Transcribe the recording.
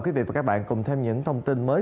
quý vị và các bạn cùng thêm những thông tin mới